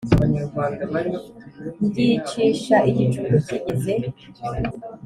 ndyicisha igicuku kigeze